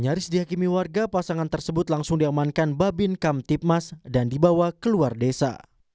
nyaris dihakimi warga pasangan tersebut langsung diamankan babin kamtipmas dan dibawa ke luar desa